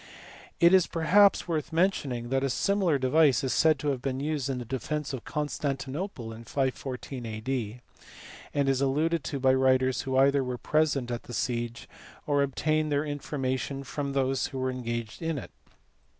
It is perhaps worth mention ing that a similar device is said to have been used in the defence of Constantinople in 514 A.D., and is alluded to by writers who either were present at the siege or obtained their information from those who were engaged in it.